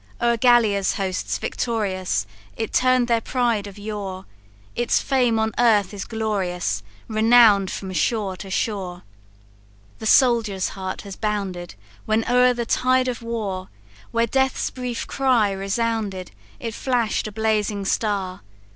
O'er Gallia's hosts victorious, It turn'd their pride of yore; Its fame on earth is glorious, Renown'd from shore to shore. "The soldier's heart has bounded When o'er the tide of war; Where death's brief cry resounded, It flash'd a blazing star.